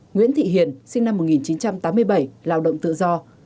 nguyễn thị hiền sinh năm một nghìn chín trăm tám mươi bảy lao động tự do